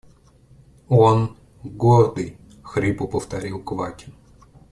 Он… гордый, – хрипло повторил Квакин